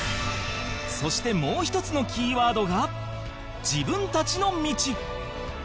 そしてもう一つのキーワードが自分たちの道